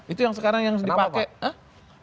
itu yang sekarang yang dipakai